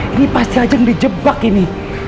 ini pasti ajeng di jebak ini